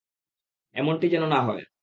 এমনটি যেন না হয়।